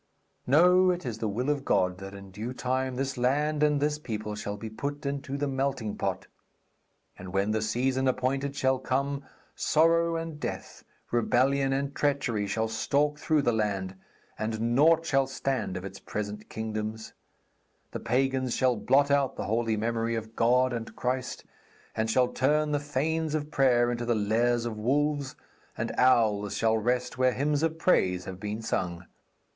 No, it is the will of God that in due time this land and this people shall be put into the melting pot. And when the season appointed shall come, sorrow and death, rebellion and treachery shall stalk through the land, and naught shall stand of its present kingdoms; the pagans shall blot out the holy memory of God and Christ, and shall turn the fanes of prayer into the lairs of wolves, and owls shall rest where hymns of praise have been sung.